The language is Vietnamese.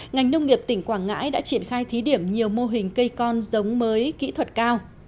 ngành nông nghiệp tỉnh quảng ngãi đã triển khai thí điểm nhiều mô hình cây con giống mới kỹ thuật cao